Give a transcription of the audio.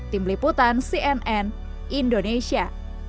tim liputan cnn indonesia